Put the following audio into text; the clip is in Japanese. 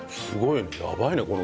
すごいね。